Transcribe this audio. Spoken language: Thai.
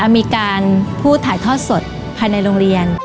มีการพูดถ่ายทอดสดภายในโรงเรียน